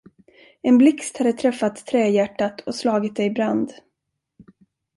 En blixt hade träffat trähjärtat och slagit det i brand.